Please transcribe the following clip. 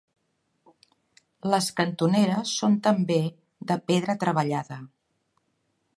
Les cantoneres són també de pedra treballada.